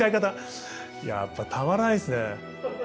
やっぱたまらないっすね。